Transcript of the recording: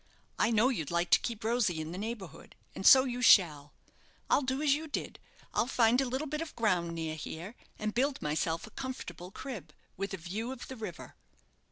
I know you'd like to keep Rosy in the neighbourhood, and so you shall. I'll do as you did. I'll find a little bit of ground near here, and build myself a comfortable crib, with a view of the river."